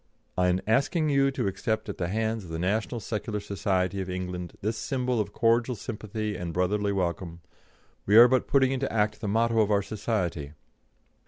"'In asking you to accept at the hands of the National Secular Society of England this symbol of cordial sympathy and brotherly welcome, we are but putting into act the motto of our Society.